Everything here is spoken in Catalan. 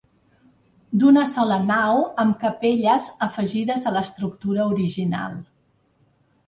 D'una sola nau amb capelles afegides a l'estructura original.